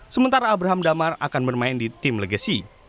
sementara abraham damar akan bermain di tim legasi